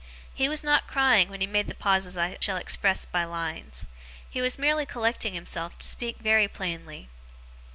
He was not crying when he made the pauses I shall express by lines. He was merely collecting himself to speak very plainly.